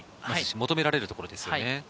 求められるところです。